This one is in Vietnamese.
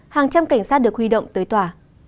hàng trăm cảnh sát được huy động tới tòa